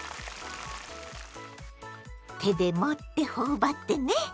手で持って頬張ってね！